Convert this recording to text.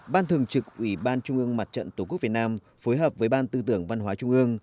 ban thường trực ủy ban trung ương mặt trận tổ quốc việt nam phối hợp với ban tư tưởng văn hóa trung ương